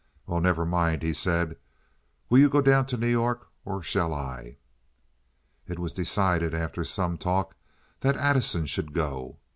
"Well, never mind," he said. "Will you go down to New York, or shall I?" It was decided, after some talk, that Addison should go.